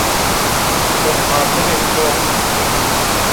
Bi xatirê to